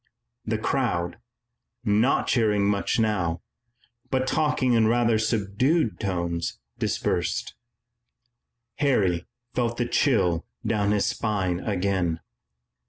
The crowd, not cheering much now, but talking in rather subdued tones, dispersed. Harry felt the chill down his spine again.